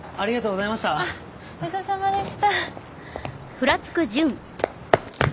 ありがとうございます。